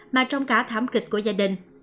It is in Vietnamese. mà trong cả thảm kịch của gia đình